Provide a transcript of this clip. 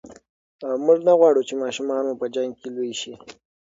موږ نه غواړو چې ماشومان مو په جنګ کې لوي شي.